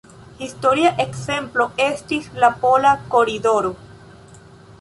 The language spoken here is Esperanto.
Historia ekzemplo estis la Pola koridoro,